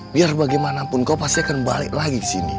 biar bagaimanapun kau pasti akan balik lagi kesini